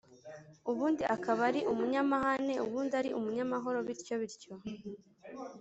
ubundi akaba ari umunyamahane ubundi ari umunyamahoro bityo bityo